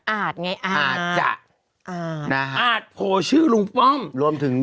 อาจยังไงอาจจะอาจโผลชื่อลุงป้อมรวมถึง